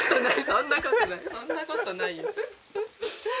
そんなことないよ。